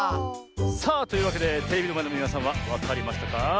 さあというわけでテレビのまえのみなさんはわかりましたか？